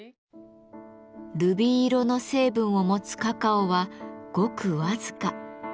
ルビー色の成分を持つカカオはごく僅か。